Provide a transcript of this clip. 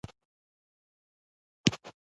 هیلۍ د مرغانو تر منځ ځانګړی مقام لري